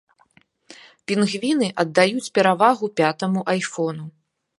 Пінгвіны аддаюць перавагу пятаму айфону.